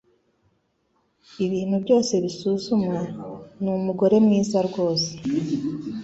Ibintu byose bisuzumwa, ni umugore mwiza rwose.